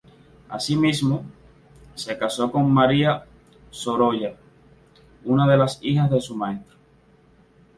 Asimismo, se casó con María Sorolla, una de las hijas de su maestro.